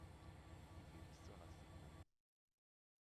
Sie geht es zu hastig an.